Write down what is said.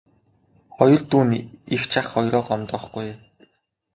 Хоёр дүү нь эгч ах хоёроо гомдоохгүй ээ.